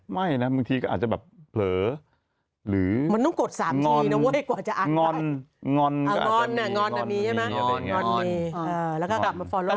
แม่ใช่นะครั้งนานเหมือนเมื่อที่ก็แบบเผลอ